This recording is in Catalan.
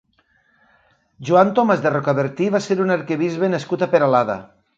Joan Tomàs de Rocabertí va ser un arquebisbe nascut a Peralada.